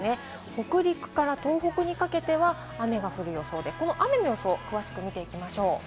北陸から東北にかけては雨が降る予想で、この雨の予想を詳しく見ていきましょう。